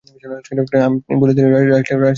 আপনি বলিতেছেন আমার রাজটিকা লাভ হইবে?